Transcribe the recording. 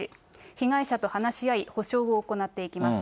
被害者と話し合い、補償を行っていきます。